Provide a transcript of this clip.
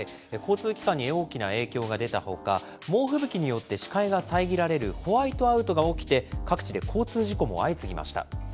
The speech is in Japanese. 交通機関に大きな影響が出たほか、猛吹雪によって、視界が遮られる、ホワイトアウトが起きて、各地で交通事故も相次ぎました。